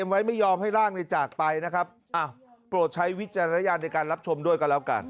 ไว้ไม่ยอมให้ร่างในจากไปนะครับอ้าวโปรดใช้วิจารณญาณในการรับชมด้วยกันแล้วกัน